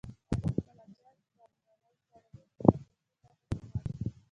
علي خپل اجل را لېونی کړی و، په ناڅاپي پېښه کې مړ شو.